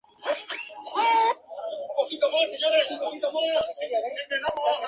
Tras la Segunda Guerra Mundial, el aeropuerto fue utilizado como base militar durante años.